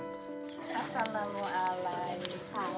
assalamualaikum warahmatullahi wabarakatuh